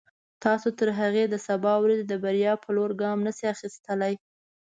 تاسو تر هغې د سبا ورځې د بریا په لور ګام نشئ اخیستلای.